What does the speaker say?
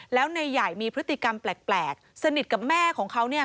แล้วนายใหญ่มีพฤติกรรมแปลกสนิทกับแม่ของเขาเนี่ย